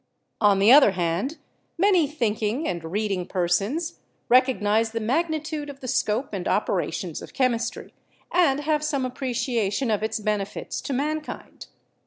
On the other hand, many thinking and read ing persons recognize the magnitude of the scope and operations of chemistry, and have some appreciation of its benefits to mankind.